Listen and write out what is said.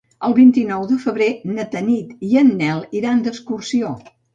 El vint-i-nou de febrer na Tanit i en Nel iran d'excursió.